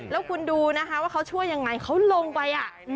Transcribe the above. แล้วคุณดูนะคะว่าเขาช่วยยังไงเขาลงไป